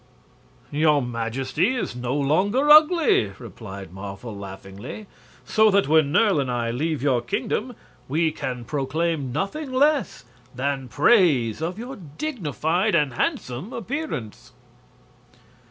"Your Majesty is no longer ugly," replied Marvel, laughingly; "so that when Nerle and I leave your kingdom we can proclaim nothing less than praise of your dignified and handsome appearance."